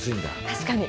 確かに。